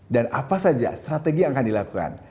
dan apa saja strategi yang akan dilakukan